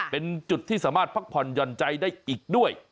เป็นจุดที่สามารถพักผ่อนหย่อนใจได้อีกด้วย